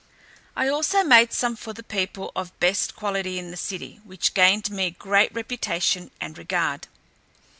I also made some for the people of best quality in the city, which gained me great reputation and regard.